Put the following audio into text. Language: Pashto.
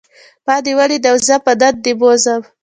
ما دی وليد او زه به نن دی بوځم.